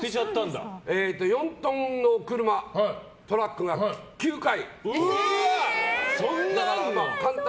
４トントラックが９回。